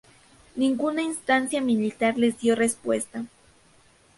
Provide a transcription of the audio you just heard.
Ninguna instancia militar les dio respuestas.